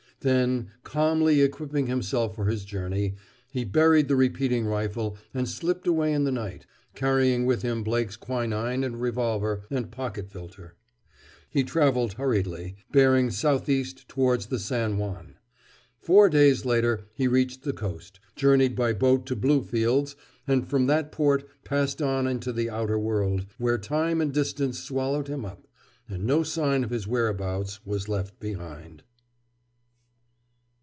Then, calmly equipping himself for his journey, he buried the repeating rifle and slipped away in the night, carrying with him Blake's quinin and revolver and pocket filter. He traveled hurriedly, bearing southeast towards the San Juan. Four days later he reached the coast, journeyed by boat to Bluefields, and from that port passed on into the outer world, where time and distance swallowed him up, and no sign of his whereabouts was left behind.